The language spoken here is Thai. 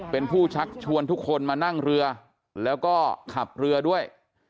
เป็นผู้ชักชวนทุกคนมานั่งเรือแล้วก็ขับเรือด้วย